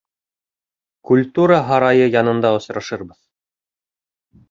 Культура һарайы янын да осрашырбыҙ.